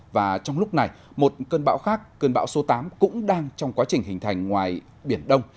và trong lúc này một cơn bão khác cơn bão số tám cũng đang trong quá trình hình thành ngoài biển đông